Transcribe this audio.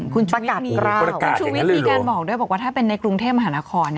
คุณประกาศกล้าวคุณชูวิทย์มีการบอกด้วยบอกว่าถ้าเป็นในกรุงเทพมหานคร